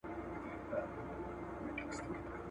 پټ یې غوږ ته دی راوړی د نسیم پر وزر زېری ..